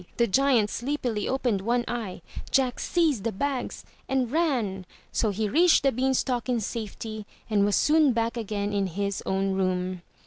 The giant sleepily opened one eye; Jack seized the bags and ran! So he reached the bean stalk in safety and was soon back again in his own room.